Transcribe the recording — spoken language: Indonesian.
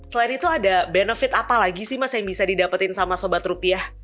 selain itu ada benefit apa lagi sih mas yang bisa didapetin sama sobat rupiah